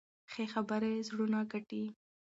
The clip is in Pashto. ښې خبرې زړونه ګټي.